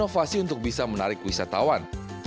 inovasi untuk bisa menarik wisatawan